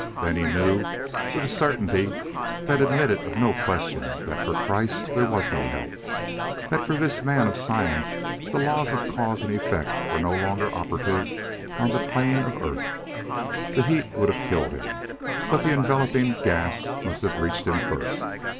Then he knew with a certainty that admitted of no question that for Kreiss there was no help: that for this man of science the laws of cause and effect were no longer operative on the plane of Earth. The heat would have killed him, but the enveloping gas must have reached him first.